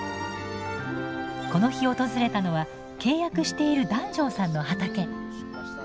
この日訪れたのは契約している檀上さんの畑。